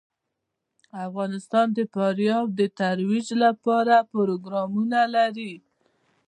افغانستان د فاریاب د ترویج لپاره پروګرامونه لري.